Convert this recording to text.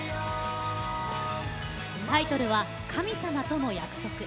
タイトルは「神様との約束」。